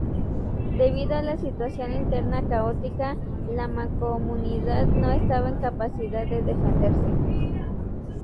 Debido a la situación interna caótica, la Mancomunidad no estaba en capacidad de defenderse.